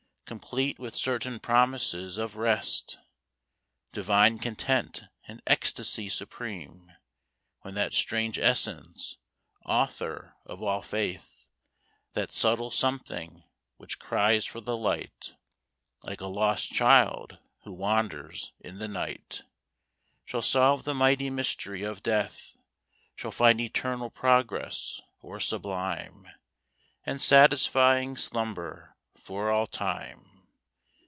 Complete with certain promises of rest. Divine content, and ecstasy supreme. When that strange essence, author of all faith, That subtle something, which cries for the light, Like a lost child who wanders in the night, Shall solve the mighty mystery of Death, Shall find eternal progress, or sublime And satisfying slumber for all time.